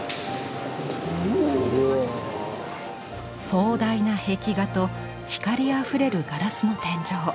壮大な壁画と光あふれるガラスの天井。